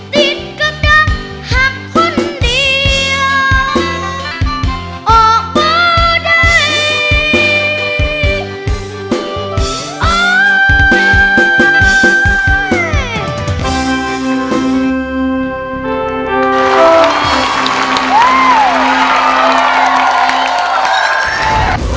ติดก็ดังหักคนเดียว